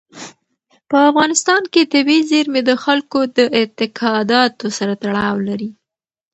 په افغانستان کې طبیعي زیرمې د خلکو د اعتقاداتو سره تړاو لري.